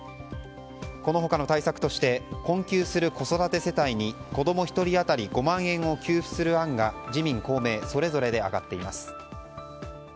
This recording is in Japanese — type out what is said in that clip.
この他の対策として困窮する子育て世帯に子供１人当たり５万円を給付する案が自民・公明それぞれで挙がっています。